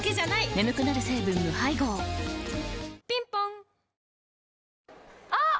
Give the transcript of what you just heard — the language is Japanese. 眠くなる成分無配合ぴんぽんあ！